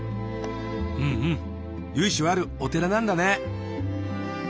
うんうん由緒あるお寺なんだね。